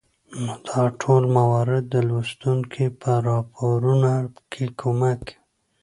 نو دا ټول موارد د لوستونکى په راپارونه کې کمک کوي